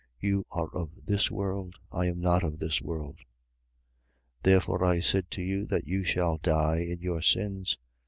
You are of this world: I am not of this world. 8:24. Therefore I said to you that you shall die in your sins.